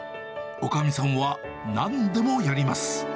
おかみさんはなんでもやります。